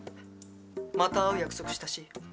また会う約束したし。